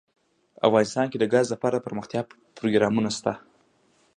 افغانستان کې د ګاز لپاره دپرمختیا پروګرامونه شته.